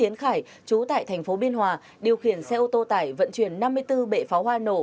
học viên kỳ khải chú tại thành phố biên hòa điều khiển xe ô tô tải vận chuyển năm mươi bốn bệ pháo hoa nổ